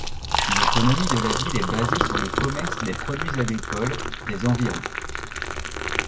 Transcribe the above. L’économie de la ville est basée sur le commerce des produits agricoles des environs.